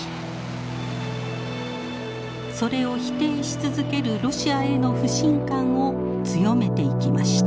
それを否定し続けるロシアへの不信感を強めていきました。